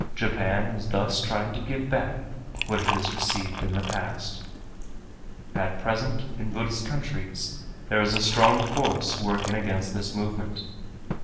Japan is thus trying to give back what it has received in the past. At present in Buddhist countries there is a strong force working against this movement.